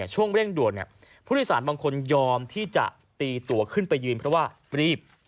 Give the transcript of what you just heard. ช่วงเร่งด่วนผู้โดยสารบางคนยอมที่จะตีตัวขึ้นไปยืนเพราะว่ารีบ